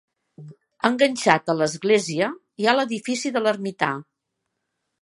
Enganxat a l'església hi ha l'edifici de l'ermità.